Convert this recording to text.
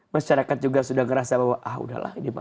masyarakat juga sudah merasa bahwa ah udahlah ini mau